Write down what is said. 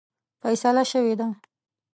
فیصله شوې ده.